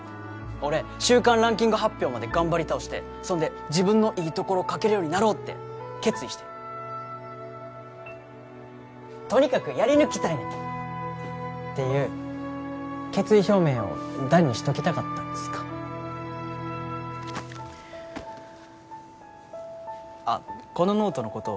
俺週間ランキング発表まで頑張り倒してそんで自分のいい所書けるようになろうって決意してんとにかくやり抜きたいねんっていう決意表明を弾にしときたかったっつうかあっこのノートのこと